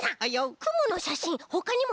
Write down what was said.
くものしゃしんほかにもないかなあ？